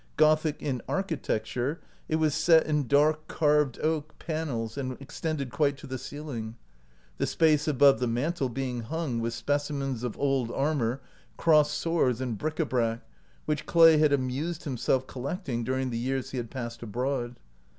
Gothic in architecture, it was set in dark carved oak 99 OUT OF BOHEMIA panels, and extended quite to the ceiling; the space above the mantel being hung with specimens of old armor, crossed swords, and bric a brac which Clay had amused himself collecting during the years he had passed abroad.